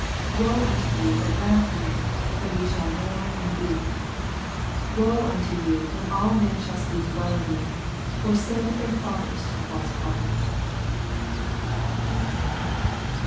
Woe unto you that laugh now! for ye shall mourn and weep. 26 Woe unto you, when all men shall speak weU of you! for so did their fathers to the false prophets.